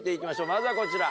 まずはこちら。